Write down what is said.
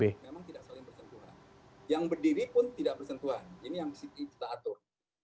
memang tidak saling bersentuhan yang berdiri pun tidak bersentuhan ini yang mesti kita atur